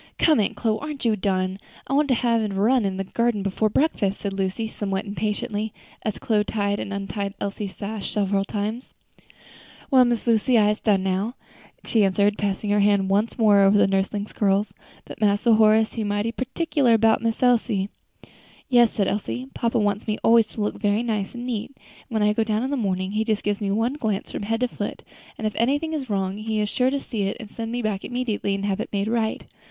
"Come, Aunt Chloe, aren't you done? I want to have a run in the garden before breakfast," said Lucy, somewhat impatiently, as Chloe tied and untied Elsie's sash several times. "Well, Miss Lucy, I'se done now," she answered, passing her hand once more over her nursling's curls: "but Mass Horace he mighty pertickler 'bout Miss Elsie." "Yes," said Elsie, "papa wants me always to look very nice and neat; and when I go down in the morning he just gives me one glance from head to foot, and if anything is wrong he is sure to see it and send me back immediately to have it made right.